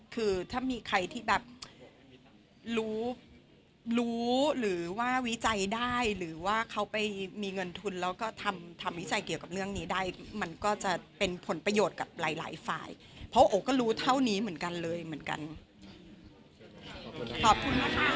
คือถ้ามีใครที่แบบรู้รู้หรือว่าวิจัยได้หรือว่าเขาไปมีเงินทุนแล้วก็ทำทำวิจัยเกี่ยวกับเรื่องนี้ได้มันก็จะเป็นผลประโยชน์กับหลายหลายฝ่ายเพราะโอ๋ก็รู้เท่านี้เหมือนกันเลยเหมือนกันขอบคุณนะคะ